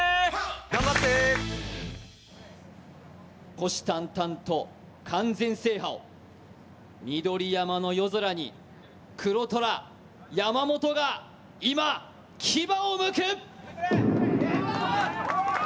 虎視眈々と完全制覇を緑山の夜空に黒虎・山本が今、牙をむく。